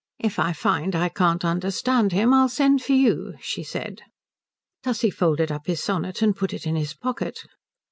"If I find I can't understand him I'll send for you," she said. Tussie folded up his sonnet and put it in his pocket.